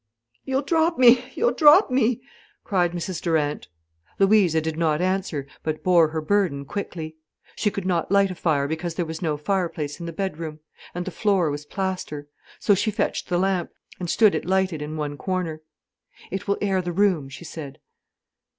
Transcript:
"You'll drop me, you'll drop me!" cried Mrs Durant. Louisa did not answer, but bore her burden quickly. She could not light a fire, because there was no fire place in the bedroom. And the floor was plaster. So she fetched the lamp, and stood it lighted in one corner. "It will air the room," she said.